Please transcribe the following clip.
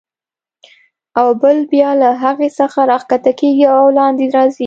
او بل بیا له هغې څخه راکښته کېږي او لاندې راځي.